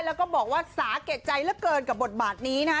แล้วก็บอกว่าสาแก่ใจเหลือเกินกับบทบาทนี้นะฮะ